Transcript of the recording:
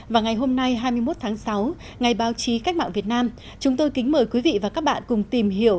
và ngày hôm nay hai mươi một tháng sáu ngày báo chí cách mạng việt nam chúng tôi kính mời quý vị và các bạn cùng tìm hiểu